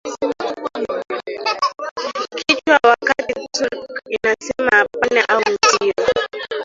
kichwa wakati Turk inasema hapana au ndiyo